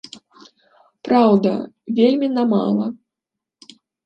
Праўда, вельмі на мала.